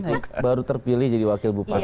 henki kan baru terpilih jadi wakil bupat